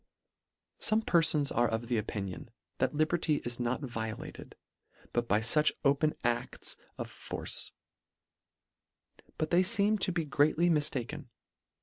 Some perfons are of opinion, that liberty is not violated, but by fuch open adls of force ; but they feem to be greatly mifta ken.